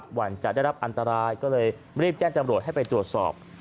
หั่นจะได้รับอันตรายก็เลยรีบแจ้งจำรวจให้ไปตรวจสอบ